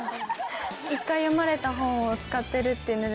一回読まれた本を使ってるっていうので。